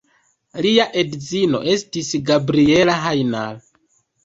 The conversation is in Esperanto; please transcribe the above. Lia edzino estis Gabriella Hajnal.